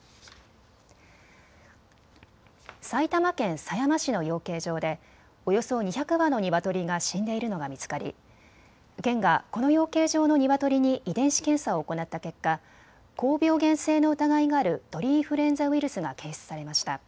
埼玉県狭山市の養鶏場でおよそ２００羽のニワトリが死んでいるのが見つかり県がこの養鶏場のニワトリに遺伝子検査を行った結果、高病原性の疑いがある鳥インフルエンザウイルスが検出されました。